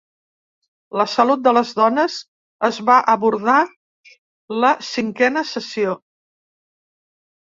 La salut de les dones es va abordar la cinquena sessió.